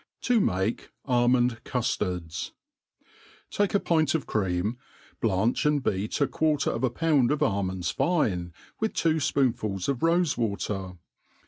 7« make Almond Cujlards. TAKE a pint of cream, blanch^ and beat a quarter of a pound of almonds Hne, with two fpoonfuls of rofe water.